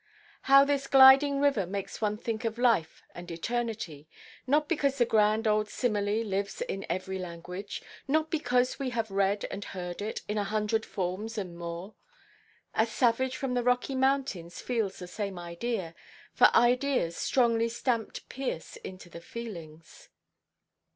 "How this gliding river makes one think of life and eternity! Not because the grand old simile lives in every language. Not because we have read and heard it, in a hundred forms and more. A savage from the Rocky Mountains feels the same idea—for ideas strongly stamped pierce into the feelings.